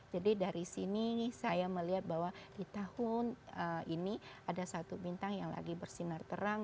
jadi dari sini saya melihat bahwa di tahun ini ada satu bintang yang lagi bersinar terang